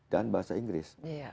dan bahasa inggris